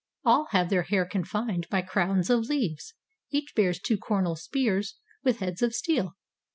All have their hair confined by crowns of leaves; Each bears two cornel spears with heads of steel.